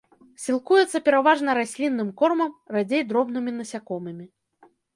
Сілкуецца пераважна раслінным кормам, радзей дробнымі насякомымі.